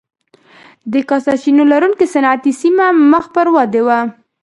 د کا سرچینو لرونکې صنعتي سیمه مخ پر وده وه.